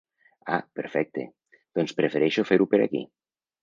Ah perfecte, doncs prefereixo fer-ho per aquí.